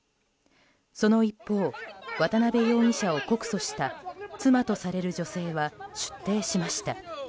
その一方、渡邉容疑者を告訴した妻とされる女性は出廷しました。